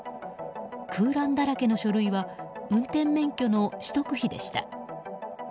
空欄だらけの書類は運転免許の取得費でした。